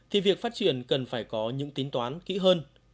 thì việc phát triển cần phải có những tính toán kỹ hơn